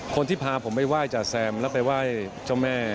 คนที่พาผมไปไหว้จาแซมแล้วไปไหว้เจ้าแม่